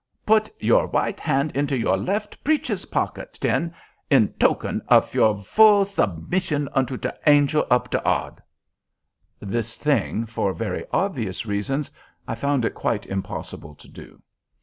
"Put your right hand into your left preeches pocket, ten, in token ov your vull zubmizzion unto te Angel ov te Odd." This thing, for very obvious reasons, I found it quite impossible to do.